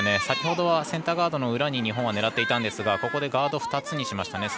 先ほどはセンターガードの裏に日本は狙っていたんですがここでガード２つにしました。